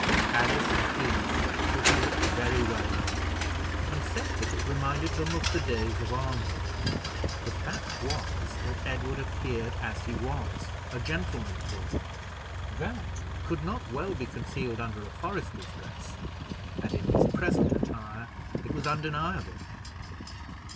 Alice and Edith thought he looked very well in them, and said that it reminded them of the days of Arnwood. The fact was, that Edward appeared as he was a gentleman born; that could not well be concealed under a forester's dress, and in his present attire it was undeniable.